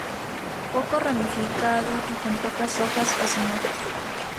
Poco ramificado y con pocas hojas o sin hojas.